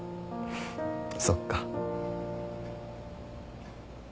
そっか。